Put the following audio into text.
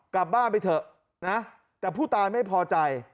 กลับบ้านไปเถอะนะแต่ผู้ตายไม่พอใจ